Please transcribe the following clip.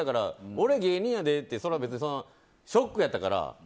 俺は芸人やでってそれはショックやったから。